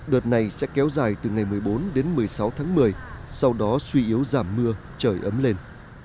đợt này sẽ kéo dài từ ngày một mươi bốn đến một mươi sáu tháng một mươi sau đó suy yếu giảm mưa trời ấm lên